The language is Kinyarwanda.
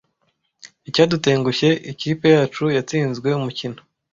Icyadutengushye, ikipe yacu yatsinzwe umukino.